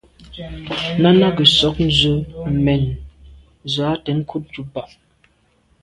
Náná gə̀ sɔ̌k ndzwə́ mɛ̀n zə̄ á tɛ̌n krút jùp bà’.